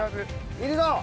いるぞ！